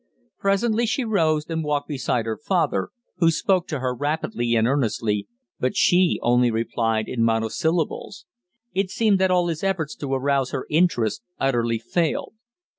Presently she rose and walked beside her father, who spoke to her rapidly and earnestly, but she only replied in monosyllables. It seemed that all his efforts to arouse her interest utterly failed.